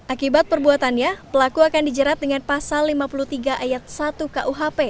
akibat perbuatannya pelaku akan dijerat dengan pasal lima puluh tiga ayat satu kuhp